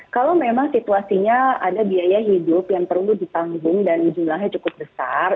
kalau memang situasinya ada biaya hidup yang perlu ditanggung dan jumlahnya cukup besar